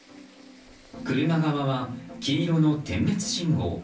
車側は、黄色の点滅信号。